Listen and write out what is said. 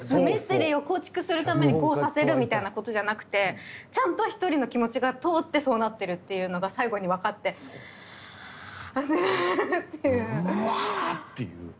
ミステリーを構築するためにこうさせるみたいなことじゃなくてちゃんと１人の気持ちが通ってそうなってるっていうのが最後に分かって「はあ」っていう。